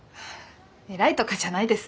偉いとかじゃないです